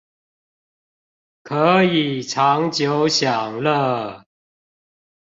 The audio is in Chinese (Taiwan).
可以長久享樂